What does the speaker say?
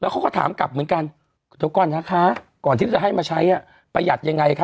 เขาก็ถามกลับเหมือนกันเดี๋ยวก่อนนะคะก่อนที่จะให้มาใช้ประหยัดยังไงคะ